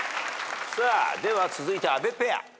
では続いて阿部ペア。